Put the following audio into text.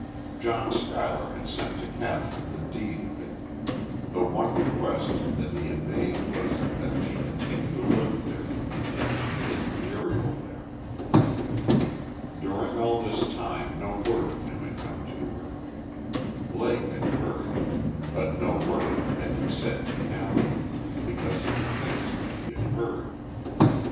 John Schuyler had sent to Kathryn the deed of it; the one request that he had made was that she continue to live there that she take Muriel there. During all this time no word of him had come to her. Blake had heard. But no word had he said to Kathryn, because of the things that he had heard.